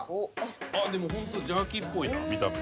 あっでもほんとジャーキーっぽいな見た目。